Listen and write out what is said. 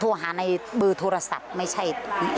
หาในเบอร์โทรศัพท์ไม่ใช่